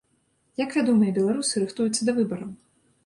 Як вядомыя беларусы рыхтуюцца да выбараў?